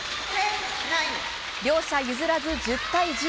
両者譲らず１０対１０。